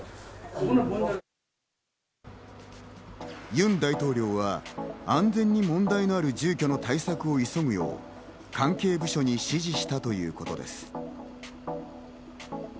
ユン大統領は安全に問題のある住居の対策を急ぐよう関係部署に指示したということです。